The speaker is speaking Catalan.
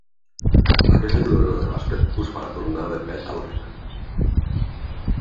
Aquesta jugadora de bàsquet us farà tornar de pet a la feina.